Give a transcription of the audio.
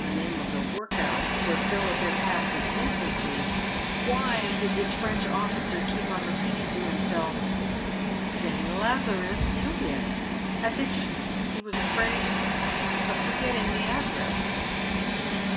the name of the workhouse where Philip had passed his infancy, !why did this French officer keep on repeating to himself, " St. Lazarua Union," as if he was afraid of forgetting the address